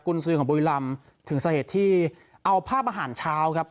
คุณซื้อของบุรีรำถึงสาเหตุที่เอาภาพอาหารเช้าครับ